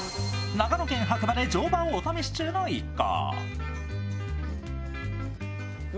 長野県白馬で乗馬をお楽しみ中の一行。